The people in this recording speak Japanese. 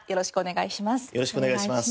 よろしくお願いします。